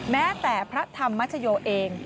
แม้แต่พระธรรมชโยเอง